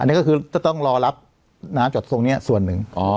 อันนี้ก็คือจะต้องรอรับน้ำจากทรงนี้ส่วนหนึ่ง